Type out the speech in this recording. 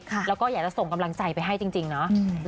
แล้วก็อยากจะส่งกำลังใจไปให้จริงเนาะ